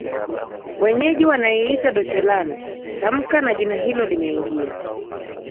Wenyeji wanaiita Deutschland tamka na jina hilo limeingia